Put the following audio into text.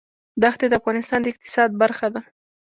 دښتې د افغانستان د اقتصاد برخه ده.